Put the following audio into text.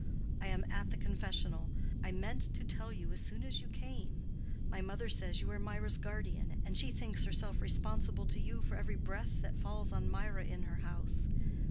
"I am at the confessional. I meant to tell you as soon as you came. My mother says you are Mirah's guardian, and she thinks herself responsible to you for every breath that falls on Mirah in her house.